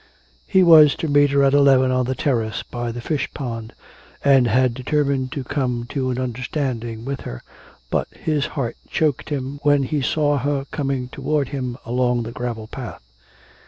He was to meet her at eleven on the terrace by the fish pond, and had determined to come to an understanding with her, but his heart choked him when he saw her coming toward him along the gravel path.